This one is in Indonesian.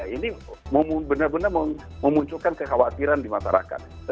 ini benar benar memunculkan kekhawatiran di masyarakat